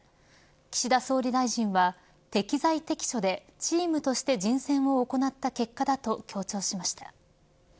岸田総理大臣は適材適所でチームとして人選を行った結果だと強調しました。